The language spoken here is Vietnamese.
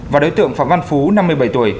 và đối tượng phạm văn phú năm mươi bảy tuổi